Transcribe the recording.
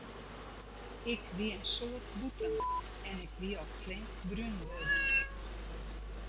Ik wie in soad bûten en ik wie al flink brún wurden.